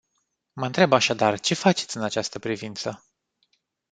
Mă întreb așadar, ce faceți în această privință?